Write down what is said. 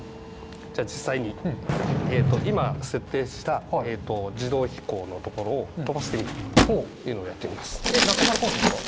じゃあ、実際に今設定した自動飛行のところを飛ばしてみるというのをやっ中丸コースですか？